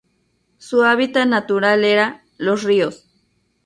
Su hábitat natural era: los ríos.